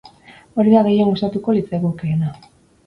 Hori da gehien gustatuko litzaigukeena.